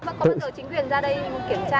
có bao giờ chính quyền ra đây kiểm tra